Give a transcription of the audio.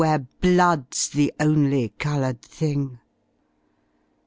Where blood^s the only coloured thing.